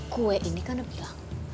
gue ini kan udah bilang